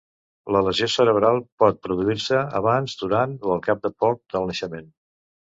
La lesió cerebral pot produir-se abans, durant o al cap de poc del naixement.